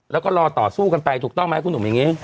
แล้วก็รอต่อสู้กันไปถูกต้องไหมคุณหนุ่มอย่างนี้